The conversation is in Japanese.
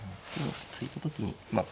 突いた時にまあ